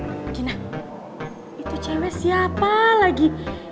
eh gina itu cewek siapa lagi